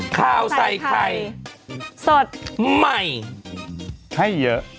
ข่าวใส่ไข่สดใหม่ให้เยอะ